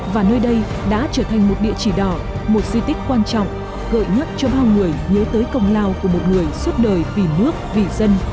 và nơi đây đã trở thành một địa chỉ đỏ một di tích quan trọng gợi nhắc cho bao người nhớ tới công lao của một người suốt đời vì nước vì dân